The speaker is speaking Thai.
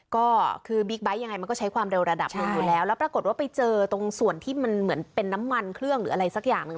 ก็คือบิ๊กไบท์ยังไงมันก็ใช้ความเร็วระดับหนึ่งอยู่แล้วแล้วปรากฏว่าไปเจอตรงส่วนที่มันเหมือนเป็นน้ำมันเครื่องหรืออะไรสักอย่างหนึ่ง